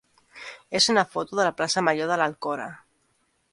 és una foto de la plaça major de l'Alcora.